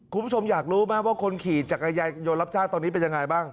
คุณผู้ชมอยากรู้ไหมว่าคนขี่จักรยานยนต์รับจ้างตอนนี้เป็นยังไงบ้าง